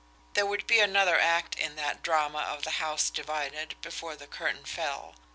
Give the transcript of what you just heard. There would be another act in that drama of the House Divided before the curtain fell!